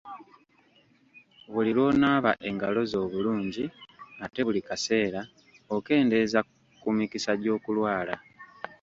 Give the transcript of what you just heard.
Buli lw’onaaba engalo zo obulungi ate buli kaseera, okeendeeza ku mikisa gy’okulwala.